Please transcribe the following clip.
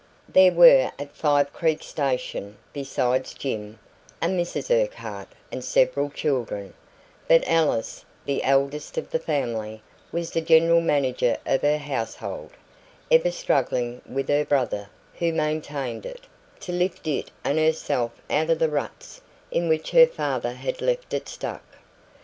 There were at Five Creeks station, besides Jim, a Mrs Urquhart and several children; but Alice, the eldest of the family, was the general manager of her household, ever struggling with her brother, who maintained it, to lift it and herself out of the ruts in which her father had left it stuck.